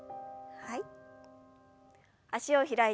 はい。